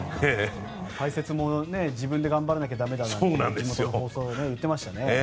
解説も自分で頑張らなきゃ駄目だなんて地元の放送が言っていましたね。